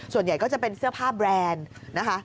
ส่วนใหญ่ก็จะเป็นเสื้อผ้าแบรนด์นะคะ